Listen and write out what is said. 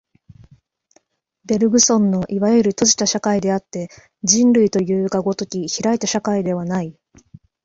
ベルグソンのいわゆる閉じた社会であって、人類というが如き開いた社会ではない。